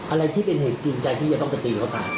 อะไรที่เป็นเหตุจูงใจที่จะต้องไปตีเขาตาย